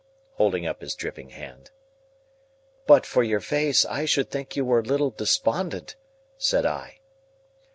holding up his dripping hand. "But for your face I should think you were a little despondent," said I.